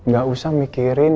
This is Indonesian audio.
gak usah mikirin